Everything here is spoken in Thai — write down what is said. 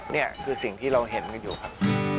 นี่คือสิ่งที่เราเห็นกันอยู่ครับ